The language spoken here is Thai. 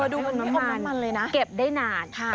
เออดูน้ำมันเก็บได้นาน